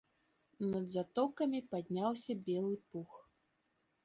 Над затокамі падняўся белы пух.